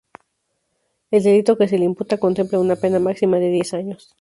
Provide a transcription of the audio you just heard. El delito que se le imputa contempla una pena máxima de diez años.